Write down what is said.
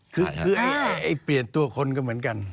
คือเปลี่ยนตัวคนก็เหมือนกัน